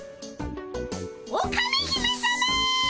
オカメ姫さま！